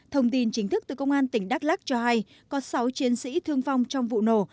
thông tin chính thức từ công an tỉnh đắk lắc cho hay có sáu chiến sĩ thương vong trong vụ nổ